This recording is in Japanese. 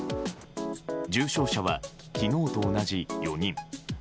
重症者は昨日と同じ４人。